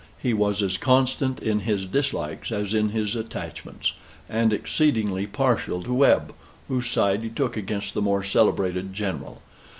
He was as constant in his dislikes as in his attachments; and exceedingly partial to Webb, whose side he took against the more celebrated general.